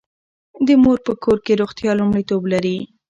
د مور په کور کې روغتیا لومړیتوب لري.